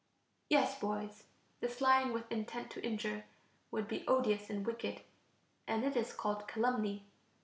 Yes, boys, this lying with intent to injure would be odious and wicked, and it is called calumny.